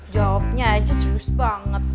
jawabnya aja serius banget